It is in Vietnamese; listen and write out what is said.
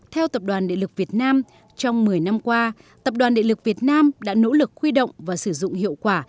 theo tập đoàn địa lực việt nam trong một mươi năm qua tập đoàn địa lực việt nam đã nỗ lực khuy động và sử dụng hiệu quả